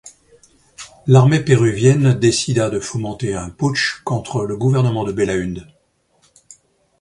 L’Armée péruvienne décida de fomenter un putsch contre le gouvernement de Belaúnde.